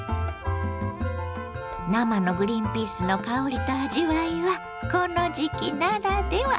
生のグリンピースの香りと味わいはこの時期ならでは！